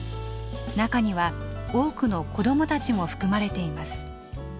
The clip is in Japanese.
中には多くの子どもたちも含まれています。